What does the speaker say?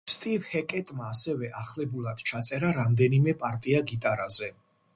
სტივ ჰეკეტმა ასევე ახლებურად ჩაწერა რამდენიმე პარტია გიტარაზე.